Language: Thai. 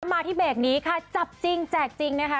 มาที่เบรกนี้ค่ะจับจริงแจกจริงนะคะ